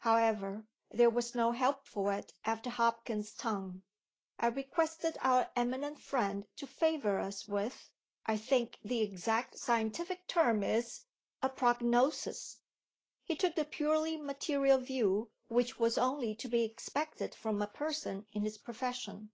However, there was no help for it after Hopkins's tongue. I requested our eminent friend to favor us with I think the exact scientific term is a Prognosis. He took the purely material view which was only to be expected from a person in his profession.